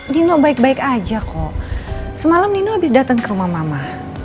nino baik baik aja kok semalam nino abis dateng ke rumah mama